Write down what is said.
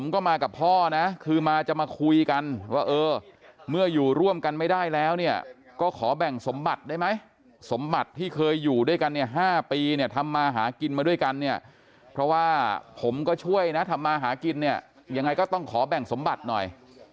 ก็มากับพ่อนะคือมาจะมาคุยกันว่าเออเมื่ออยู่ร่วมกันไม่ได้แล้วเนี่ยก็ขอแบ่งสมบัติได้ไหมสมบัติที่เคยอยู่ด้วยกันเนี่ย๕ปีเนี่ยทำมาหากินมาด้วยกันเนี่ยเพราะว่าผมก็ช่วยนะทำมาหากินเนี่ยยังไงก็ต้องขอแบ่งสมบัติหน่อย